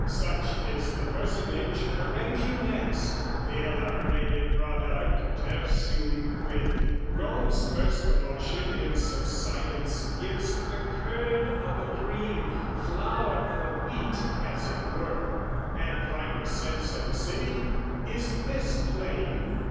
Such is the personage harangues you next; The elaborated product, tertium quid: Rome's first commotion in subsidence gives The curd o' the cream, flower o' the wheat, as it were, And finer sense o' the city. Is this plain?